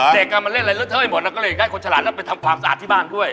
เด็กมันเล่นอะไรเลอะเทอะหมดเราก็เลยอยากได้คนฉลาดแล้วไปทำความสะอาดที่บ้านด้วย